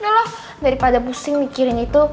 dulu daripada pusing mikirin itu